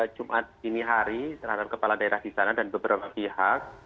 jumat ini hari terhadap kepala daerah di sana dan beberapa pihak